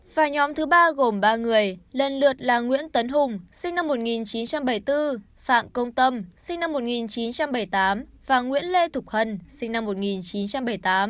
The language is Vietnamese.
và nhóm thứ ba gồm ba người lần lượt là nguyễn tấn hùng sinh năm một nghìn chín trăm bảy mươi bốn phạm công tâm sinh năm một nghìn chín trăm bảy mươi tám và nguyễn lê thục hân sinh năm một nghìn chín trăm bảy mươi tám